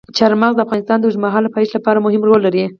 چار مغز د افغانستان د اوږدمهاله پایښت لپاره مهم رول لري.